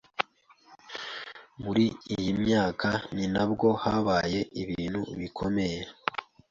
Muri iyi myaka ninabwo habaye ibintu bikomeye